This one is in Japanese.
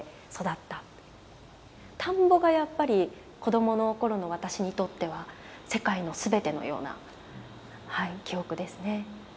田んぼがやっぱり子供の頃の私にとっては世界の全てのようなはい記憶ですね。